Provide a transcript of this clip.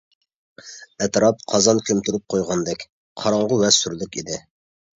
ئەتراپ قازان كۆمتۈرۈپ قويغاندەك قاراڭغۇ ۋە سۈرلۈك ئىدى.